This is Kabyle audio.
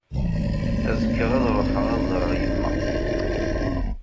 Azekka ad ruḥeɣ ad d-ẓreɣ yemma.